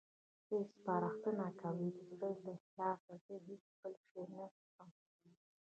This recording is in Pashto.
ته یې سپارښتنه کوې؟ د زړه له اخلاصه، زه هېڅ بل شی نه څښم.